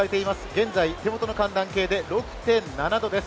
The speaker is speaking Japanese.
現在、手元の寒暖計で６．７度です。